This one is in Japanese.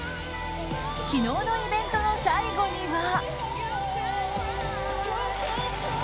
昨日のイベントの最後には。